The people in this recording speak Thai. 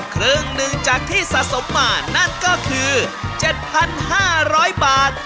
ครึ่งหนึ่งจากที่สะสมมานั่นก็คือ๗๕๐๐บาท